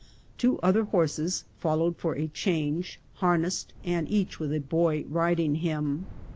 Two other horses followed for change, har nessed, and each with a boy riding him.